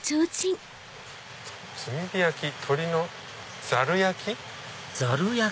「炭火焼鶏のざる焼」？